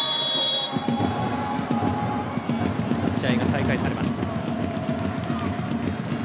試合が再開されます。